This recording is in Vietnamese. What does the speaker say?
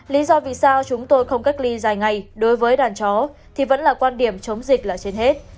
lý do vì sao chúng tôi không cách ly dài ngày đối với đàn chó thì vẫn là quan điểm chống dịch là trên hết